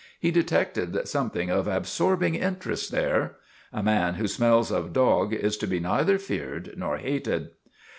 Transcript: He detected something of ab sorbing interest there. A man who smells of dog is to be neither feared nor hated.